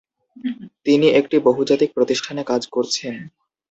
তিনি একটি বহুজাতিক প্রতিষ্ঠানে কাজ করছেন।